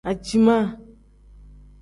Aciima.